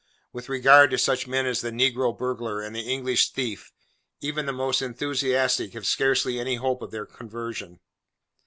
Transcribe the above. With regard to such men as the negro burglar and the English thief, even the most enthusiastic have scarcely any hope of their conversion.